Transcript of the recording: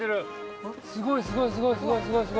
すごいすごいすごいすごい！